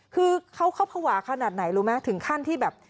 คือเขาภาวะขนาดไหนรู้ไหมถึงขั้นที่แบบ